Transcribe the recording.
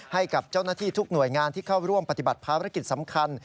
ให้กับเจ้าหน้าที่ทุกหน่วยงานที่เข้าร่วมปฏิบัติภารกิจสำคัญ